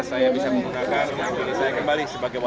saya kembali ke negara